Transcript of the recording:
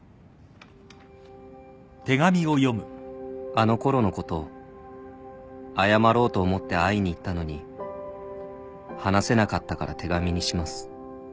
「あのころのこと謝ろうと思って会いに行ったのに話せなかったから手紙にします」